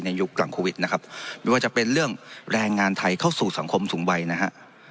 ยุคหลังโควิดนะครับไม่ว่าจะเป็นเรื่องแรงงานไทยเข้าสู่สังคมสูงวัยนะฮะ